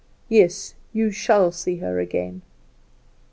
Yes; you shall see her again."